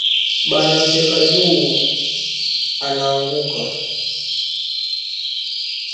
Bana mucheka ju anaanguka